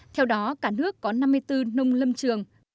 theo đó cả nước có năm mươi bốn nông lâm trường